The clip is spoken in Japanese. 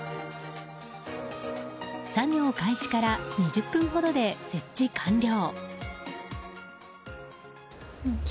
作業開始から２０分ほどで設置完了。